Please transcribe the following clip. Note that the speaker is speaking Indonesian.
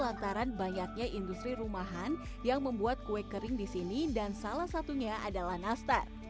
lantaran banyaknya industri rumahan yang membuat kue kering di sini dan salah satunya adalah nastar